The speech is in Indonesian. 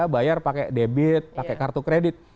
bayar pakai debit pakai kartu kredit